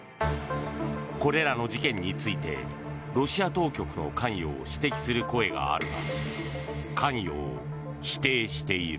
これらの事件についてロシア当局の関与を指摘する声があるが関与を否定している。